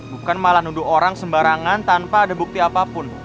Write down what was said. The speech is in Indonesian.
bukan malah nunduk orang sembarangan tanpa ada bukti apapun